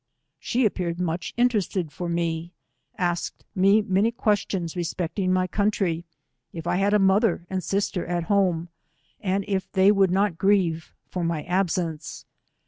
She appeared much interested for me — asked me many questions respecting my country, if I had a mother and sister at home, and if they would not grieve for my absence.